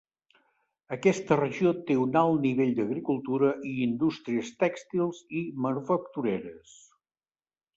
Aquesta regió té un alt nivell d'agricultura i indústries tèxtils i manufactureres.